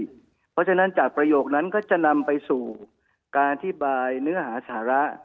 เพราะฉะนั้นจากประโยคนั้นก็จะนำไปสู่การอธิบายเนื้อหาสาระ